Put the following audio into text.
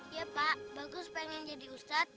ya pak bagus pengen jadi ustadz